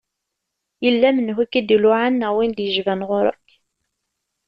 Yella menhu i k-id-iluɛan neɣ win i d-yejban ɣur-k?